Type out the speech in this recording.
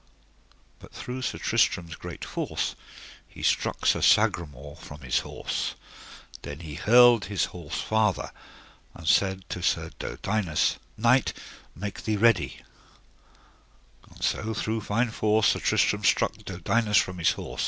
But through Sir Tristram's great force he struck Sir Sagramore from his horse. Then he hurled his horse farther, and said to Sir Dodinas: Knight, make thee ready; and so through fine force Sir Tristram struck Dodinas from his horse.